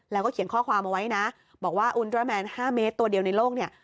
แล้วก็เขียนข้อความเอาไว้นะบอกว่าอุลตราแมน๕เมตรตัวเดียวในโลกเนี่ย